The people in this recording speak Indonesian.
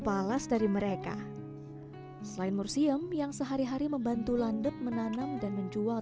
dalam kini hal ini tak bisa dianggap remeh untuk perjuangan